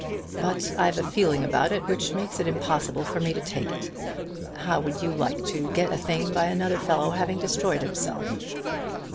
But I've a feeling about it which makes it impossible for me to take it. How would you like to get a thing by another fellow having destroyed himself?"